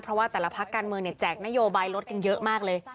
เพราะว่าแต่ละพักการเมืองแจกนโยบายรถกันเยอะมากเลย